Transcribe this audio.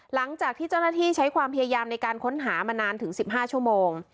หลังจากที่เจ้าหน้าที่ใช้ความพยายามในการค้นหามานานถึง๑๕ชั่วโมง